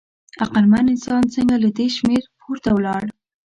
عقلمن انسان څنګه له دې شمېر پورته ولاړ؟